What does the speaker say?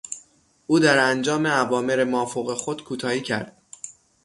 او در انجام اوامر مافوق خود کوتاهی کرد.